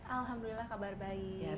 alhamdulillah kabar baik